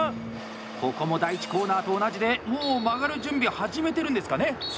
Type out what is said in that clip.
ここも第１コーナーと同じでもう曲がる準備をそうです。